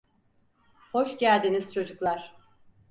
Hoş geldiniz çocuklar.